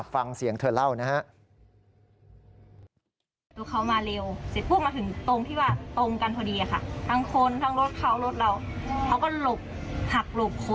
ฟังเสียงเธอเล่านะฮะ